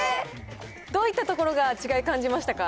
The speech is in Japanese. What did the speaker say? どういったところが違い感じましたか？